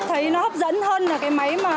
thấy nó hấp dẫn hơn là cái máy